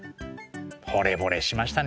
ほれぼれしましたね。